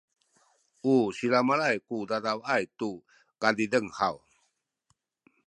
u silamalay ku dadawaay tu kazizeng haw?